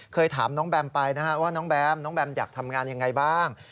ถามน้องแบมไปนะฮะว่าน้องแบมน้องแบมอยากทำงานยังไงบ้าง